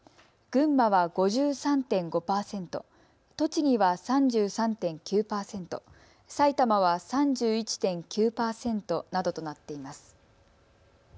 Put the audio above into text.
群馬は５３．５％、栃木は３３．９％、埼玉は３１．９％などとなっています。